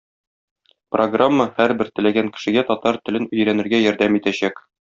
Программа һәрбер теләгән кешегә татар телен өйрәнергә ярдәм итәчәк.